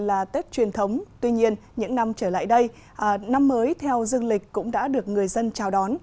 là tết truyền thống tuy nhiên những năm trở lại đây năm mới theo dương lịch cũng đã được người dân chào đón